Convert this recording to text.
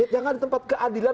jangan di tempat keadilan